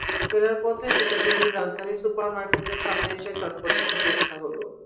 ফেরার পথে টিকাটুলির রাজধানী সুপার মার্কেটের সামনে এসে চটপটি খেতে ইচ্ছা হলো।